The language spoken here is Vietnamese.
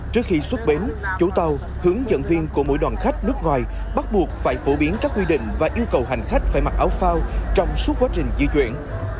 trước khi xuất bến chủ tàu hướng dẫn viên của mỗi đoàn khách nước ngoài bắt buộc phải phổ biến các quy định và yêu cầu hành khách phải mặc áo phao trong suốt quá trình di chuyển